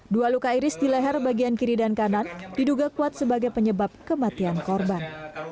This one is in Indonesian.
dua luka iris di leher bagian kiri dan kanan diduga kuat sebagai penyebab kematian korban